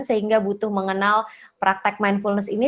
sehingga butuh mengenal praktek mindfulness ini